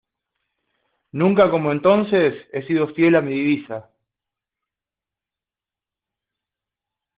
nunca como entonces he sido fiel a mi divisa: